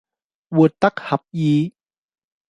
活得合意